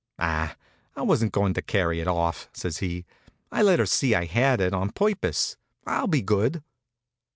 "Ah, I wasn't going to carry it off," says he. "I let her see I had it, on purpose. I'll be good."